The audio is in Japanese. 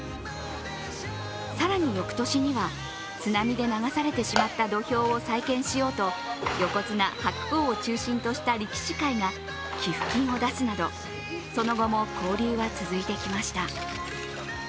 更に翌年には津波で流されてしまった土俵を再建しようと横綱・白鵬を中心とした力士会が寄付金を出すなど、その後も交流は続いてきました。